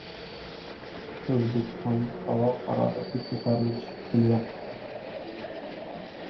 O‘zbekistonda havo harorati ko‘tarilishi kutilyapti